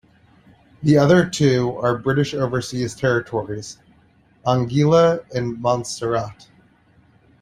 The other two are British overseas territories: Anguilla and Montserrat.